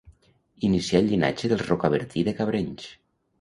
Inicià el llinatge dels Rocabertí de Cabrenys.